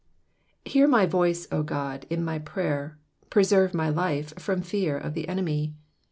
HEAR my voice, O God, in my prayer : preserve my life from fear of the enemy.